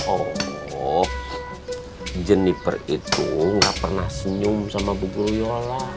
oh jeniper itu gak pernah senyum sama bu guru yola